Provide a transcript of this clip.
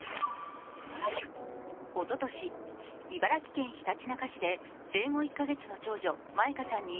おととし、茨城県ひたちなか市で生後１カ月の長女・舞香ちゃんに